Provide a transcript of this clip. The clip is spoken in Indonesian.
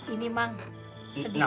ini mak sedikit